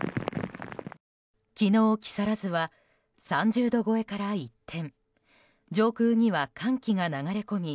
昨日、木更津は３０度超えから一転上空には寒気が流れ込み